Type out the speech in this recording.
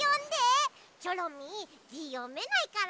チョロミーじよめないから。